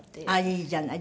いいじゃない。